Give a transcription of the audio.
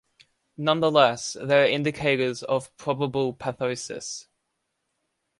Nonetheless, they are indicators of probable pathosis.